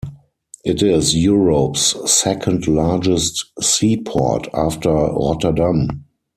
It is Europe's second-largest seaport, after Rotterdam.